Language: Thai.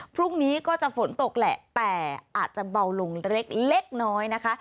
พรุ่งนี้ก็จะฝนตกแหละแต่อาจจะเบาลงเล็กเล็กน้อยนะคะ